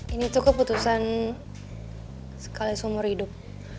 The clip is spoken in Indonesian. ini tuh keputusan sekali seumur hidup